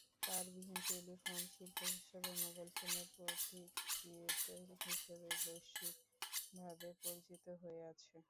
তারবিহীন telephone শিল্প হিসেবে mobile ফোনের পথিকৃৎ হিসেবে বৈশ্বিকভাবে পরিচিত হয়ে আছেন।